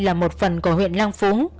là một phần của huyện lang phú